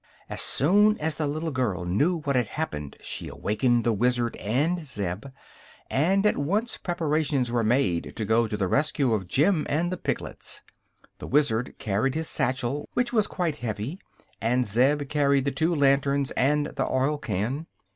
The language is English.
As soon as the little girl knew what had happened she awakened the Wizard and Zeb, and at once preparations were made to go to the rescue of Jim and the piglets. The Wizard carried his satchel, which was quite heavy, and Zeb carried the two lanterns and the oil can.